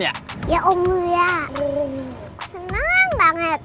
ya om senang banget